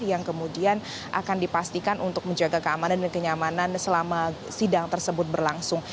yang kemudian akan dipastikan untuk menjaga keamanan dan kenyamanan selama sidang tersebut berlangsung